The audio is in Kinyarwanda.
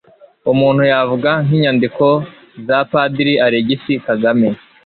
umuntu yavuga nk'inyandiko za padiri alegisi kagame